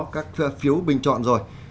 các phiếu bình chọn rồi